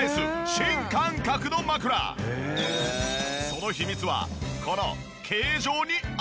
その秘密はこの形状にあり！